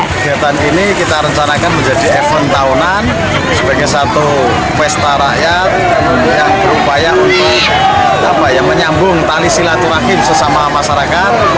kegiatan ini kita rencanakan menjadi event tahunan sebagai satu pesta rakyat yang berupaya untuk menyambung tali silaturahim sesama masyarakat